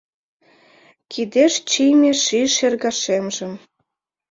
Кидеш чийыме ший шергашемжым